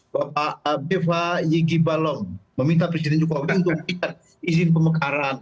bapak abif yigi balong meminta presiden jokowi untuk meminta izin pemekaran